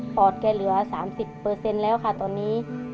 ปอดแกเหลือสามสิบเปอร์เซ็นต์แล้วค่ะตอนนี้